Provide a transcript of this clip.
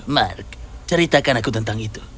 mark ceritakan aku tentang itu